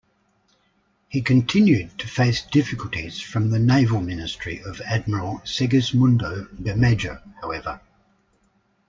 He continued to face difficulties from the naval ministry of Admiral Segismundo Bermejo, however.